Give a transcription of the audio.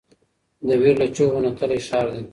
د ویر له چیغو نتلی ښار دی